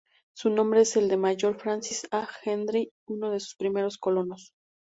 Su nombre es el del Mayor "Francis A. Hendry", uno de sus primeros colonos.